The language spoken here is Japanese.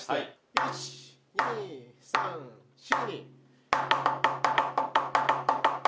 １２３４。